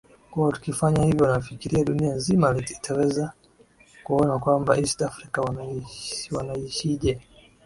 kuwa tukifanya hivyo nafikiri dunia zima itaweza kuona kwamba east afrika wanaishije